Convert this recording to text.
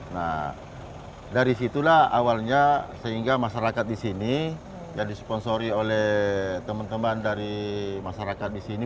nah dari situlah awalnya sehingga masyarakat di sini yang disponsori oleh teman teman dari masyarakat di sini